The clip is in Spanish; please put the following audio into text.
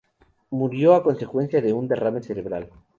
Murió a consecuencia de un derrame cerebral.